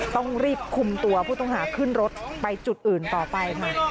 ต้องรีบคุมตัวผู้ต้องหาขึ้นรถไปจุดอื่นต่อไปค่ะ